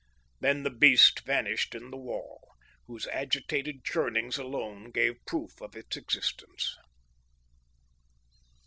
Then the beast vanished in the wall, whose agitated churnings alone gave proof of its existence.